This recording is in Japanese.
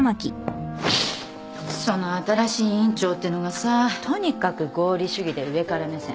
その新しい院長ってのがさとにかく合理主義で上から目線。